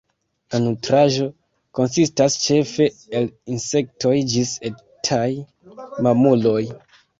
La nutraĵo konsistas ĉefe el insektoj ĝis etaj mamuloj.